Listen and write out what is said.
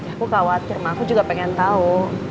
aku khawatir aku juga pengen tau